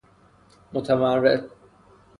متمرد